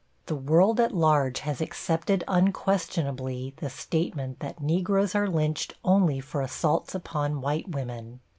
The world at large has accepted unquestionably the statement that Negroes are lynched only for assaults upon white women.